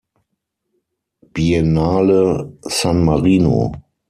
Biennale San Marino".